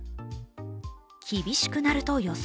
厳しくなると予想。